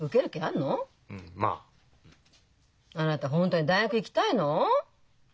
本当に大学行きたいの？